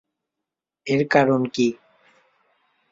এর কারণ কি?